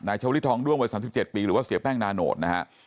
ชาวลิศทองด้วงวัย๓๗ปีหรือว่าเสียแป้งนาโนตนะฮะ